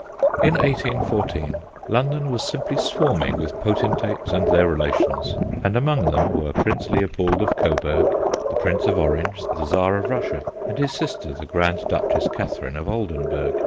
In 1814 London was simply swarming with po tentates and their relations, and among them were Prince Leopold of Coburg, the Prince 146 THE GHOSTS OF PICCADILLY pf Orange, the Czar of Russia and his sister, the Grand Duchess Catherine of Olden burg.